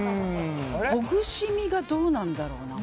ほぐし身がどうなんだろうな。